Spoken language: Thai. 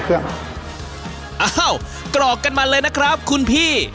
อ้าวกรอกกันมาเลยนะครับคุณพี่